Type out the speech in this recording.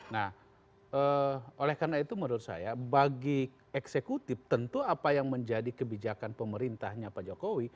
nah oleh karena itu menurut saya bagi eksekutif tentu apa yang menjadi kebijakan pemerintahnya pak jokowi